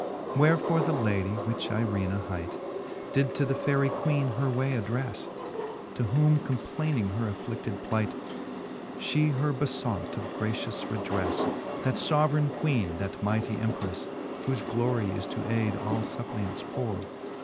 IV. Wherefore the lady, which Eirena hight. Did to the Faery Queene her way addrefle, To whom complayning her affli(9:ed plight, She her befought of gratious redrefte. That fbveraine queene, that mightie emperefle, Whofe glorie is to aide all fuppliants pore.